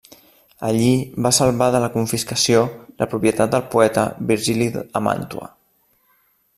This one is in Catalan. Allí va salvar de la confiscació la propietat del poeta Virgili a Màntua.